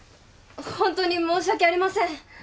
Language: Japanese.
ホントに申し訳ありません。